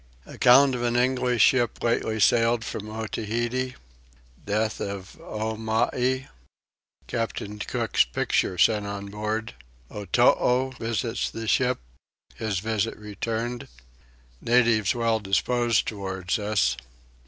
Account of an English Ship lately sailed from Otaheite. Death of Omai. Captain Cook's Picture sent on board. Otoo visits the Ship. His Visit returned. Natives well disposed towards us.